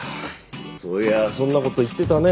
そういやそんな事言ってたね